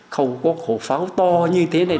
khẩu có khẩu pháo to như thế này